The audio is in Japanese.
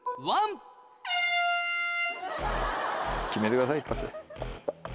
決めてください一発で。